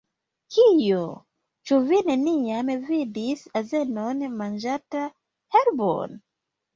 "Kio? Ĉu vi neniam vidis azenon manĝanta herbon?